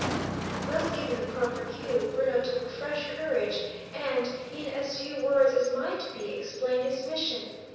Thus given the proper cue, Bruno took fresh courage and, in as few words as might be, explained his mission.